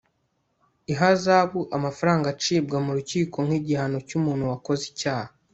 ihazabu amafaranga acibwa mu rukiko nk'igihano cy'umuntu wakoze icyaha